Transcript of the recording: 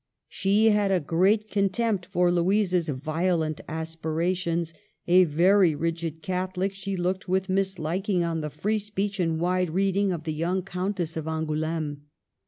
She had a great contempt for Louisa's violent aspirations ; a very rigid Catholic, she looked with misliking on the free speech and wide reading of the young Countess of Angouleme.